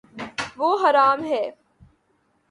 وہ ہرا م ہے